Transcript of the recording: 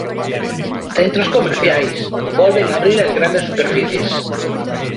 Centros comerciais: volven abrir as grandes superficies.